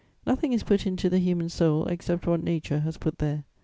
Nothing is put into the human soul except what nature has put there.